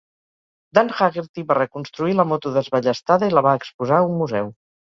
Dan Haggerty va reconstruir la moto desballestada i la va exposar a un museu.